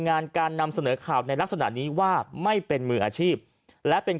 งานการนำเสนอข่าวในลักษณะนี้ว่าไม่เป็นมืออาชีพและเป็น